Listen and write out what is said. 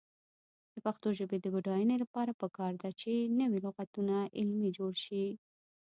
د پښتو ژبې د بډاینې لپاره پکار ده چې نوي لغتونه علمي جوړ شي.